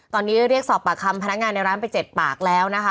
ตอนนี้เรียกสอบปากคำพนักงานในร้านไป๗ปากแล้วนะคะ